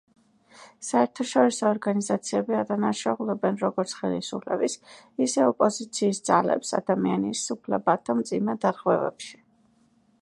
საერთაშორისო ორგანიზაციები ადანაშაულებენ როგორც ხელისუფლების, ისე ოპოზიციის ძალებს ადამიანის უფლებათა მძიმე დარღვევებში.